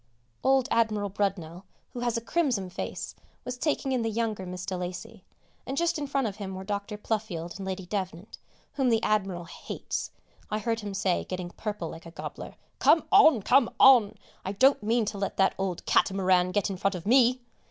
Old Admiral Brudnell, who has a crimson face, was taking in the younger Miss de Lacy, and just in front of him were Dr. Pluffield and Lady Devnant, whom the Admiral hates. I heard him say, getting purple like a gobbler, "Come on, come on, I don't mean to let that old catamaran get in front of me!"